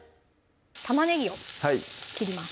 玉ねぎを切ります